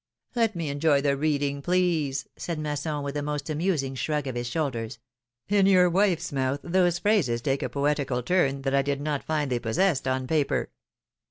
^^Let me enjoy the reading, please," said Masson, with the most amusing shrug of his shoulders. In your wife's mouth, those phrases take a poetical turn that I did not find they possessed on paper."